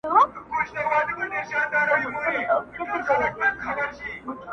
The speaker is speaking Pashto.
مګر زه خو قاتل نه یمه سلطان یم،